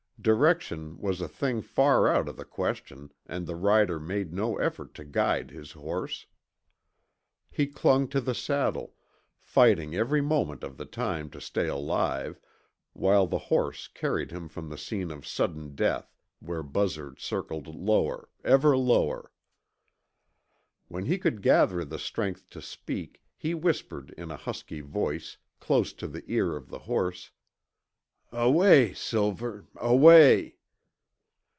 Direction was a thing far out of the question, and the rider made no effort to guide his horse. He clung to the saddle, fighting every moment of the time to stay alive, while the horse carried him from the scene of sudden death where buzzards circled lower, ever lower. When he could gather the strength to speak, he whispered in a husky voice, close to the ear of the horse, "Away, Silver away."